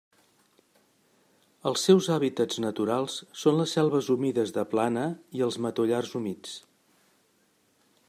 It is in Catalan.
Els seus hàbitats naturals són les selves humides de plana i els matollars humits.